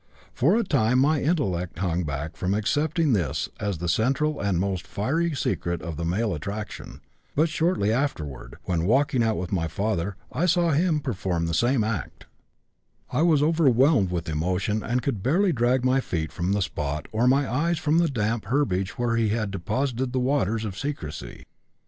For a time my intellect hung back from accepting this as the central and most fiery secret of the male attraction; but shortly afterward, when out walking with my father, I saw him perform the same act; I was overwhelmed with emotion and could barely drag my feet from the spot or my eyes from the damp herbage where he had deposited the waters of secrecy.